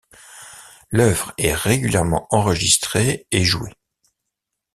L'œuvre est régulièrement enregistrée et jouée.